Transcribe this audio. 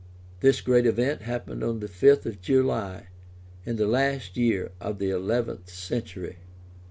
This great event happened on the fifth of July in the last year of the eleventh century.